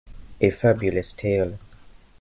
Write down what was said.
A fabulous tale.